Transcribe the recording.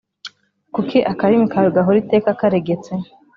kuki akarimi kawe gahora iteka karegetse